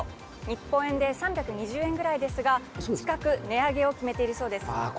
日本円で３２０円くらいですが近く値上げを決めているそうです。